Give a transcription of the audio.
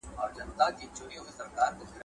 تاسو به ژر په ټایپنګ کي تکړه سئ.